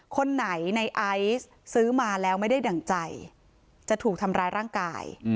คนไหนในไอซ์ซื้อมาแล้วไม่ได้ดั่งใจจะถูกทำร้ายร่างกาย